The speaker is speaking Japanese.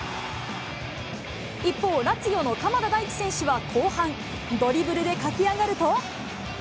一方、ラツィオの鎌田大地選手は後半、ドリブルで駆け上がると。